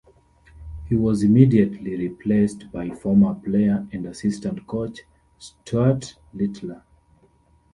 He was immediately replaced by former player and assistant coach Stuart Littler.